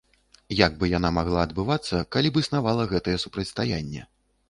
Як бы яна магла адбывацца, калі б існавала гэтае супрацьстаянне.